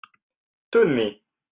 tenez.